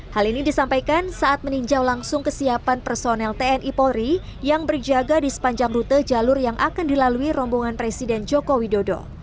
hal ini disampaikan saat meninjau langsung kesiapan personel tni polri yang berjaga di sepanjang rute jalur yang akan dilalui rombongan presiden joko widodo